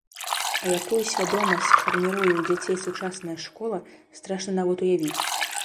А якую свядомасць фарміруе ў дзяцей сучасная школа, страшна нават уявіць.